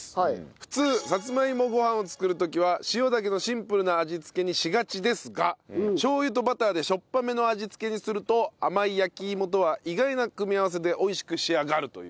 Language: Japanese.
普通サツマイモご飯を作る時は塩だけのシンプルな味付けにしがちですがしょう油とバターでしょっぱめの味付けにすると甘い焼き芋とは意外な組み合わせで美味しく仕上がるという。